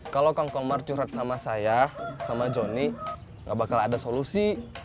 kalau kang komar curhat sama saya sama johnny gak bakal ada solusi